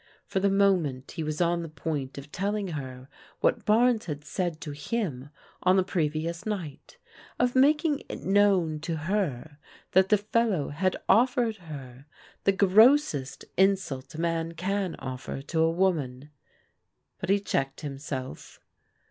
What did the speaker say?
For the moment he was on the point of tell ing her what Barnes had said to him on the previous night: of making it known to her that the fellow had offered her the grossest insult a man can offer to a woman. But he checked himself.